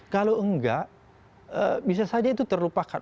kalau enggak bisa saja itu terlupakan